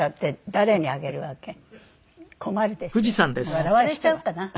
笑われちゃうかな？